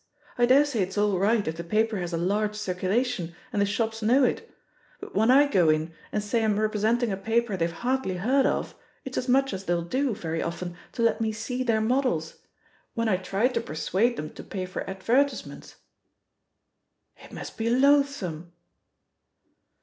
I daresay it's all right if the paper has a large circulation, and the shops know it ; but when I go in and say I'm representing a paper they've hardly heard of, it's as much as they'll do, very often, to let me see their models. When I try to persuade them to pay for advertisements " "It must be loathsome!"